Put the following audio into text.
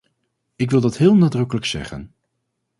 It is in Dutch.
Ik wil dat heel nadrukkelijk zeggen.